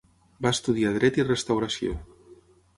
Va estudiar Dret i Restauració.